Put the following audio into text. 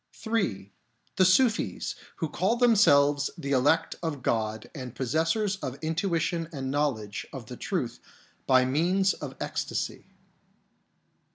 III. The Sufis, who call themselves the elect of God and possessors of intuition and knowledge of the truth by means of ecstasy.